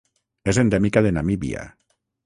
És endèmica de Namíbia.